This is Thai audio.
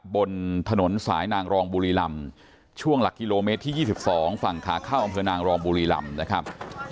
บนถนนสายนางรองบุรีลำช่วงหลักกิโลเมตรที่๒๒ฝั่งขาเข้าอำเภอนางรองบุรีลำนะครับ